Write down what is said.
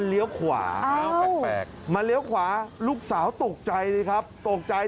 เออแปลกมันเลี้ยวขวาลูกสาวตกใจนะครับตกใจ